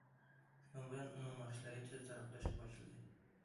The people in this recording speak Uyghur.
شۇنىڭ بىلەن ئۇنىڭ ناخشىلىرى تېز تارقىلىشقا باشلىدى.